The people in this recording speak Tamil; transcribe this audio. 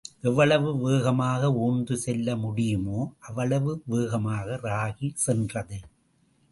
எவ்வளவு வேகமாக ஊர்ந்து செல்ல முடியுமோ அவ்வளவு வேகமாக ராகி சென்றது.